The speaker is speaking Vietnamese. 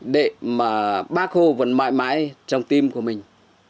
để mà bác hồ vẫn mãi mãi trong tim của mình